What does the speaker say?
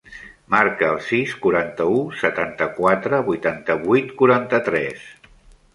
Marca el sis, quaranta-u, setanta-quatre, vuitanta-vuit, quaranta-tres.